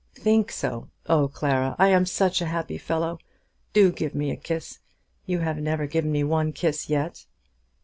"Think so! Oh, Clara, I am such a happy fellow. Do give me a kiss. You have never given me one kiss yet."